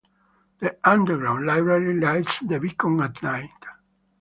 The underground library lights the beacon at night.